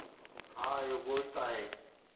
ها، اهو گوشت آهي